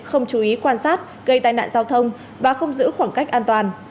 không chú ý quan sát gây tai nạn giao thông và không giữ khoảng cách an toàn